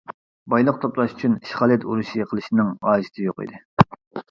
بايلىق توپلاش ئۈچۈن ئىشغالىيەت ئۇرۇشى قىلىشنىڭ ھاجىتى يوق ئىدى.